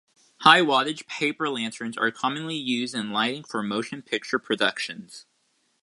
High-wattage paper lanterns are commonly used in lighting for motion picture productions.